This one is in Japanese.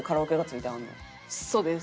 そうです。